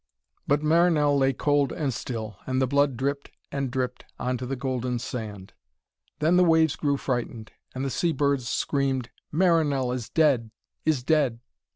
But Marinell lay cold and still, and the blood dripped and dripped on to the golden sand. Then the waves grew frightened, and the sea birds screamed, 'Marinell is dead, is dead ...